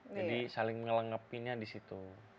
jadi saling melengkapinya di situ